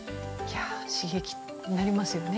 刺激になりますよね。